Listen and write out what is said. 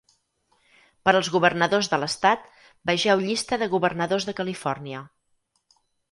Per als governadors de l'estat, vegeu llista de governadors de Califòrnia.